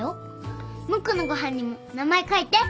ムックのご飯にも名前書いて。